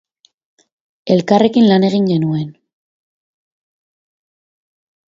Elkarrekin lan egin genuen.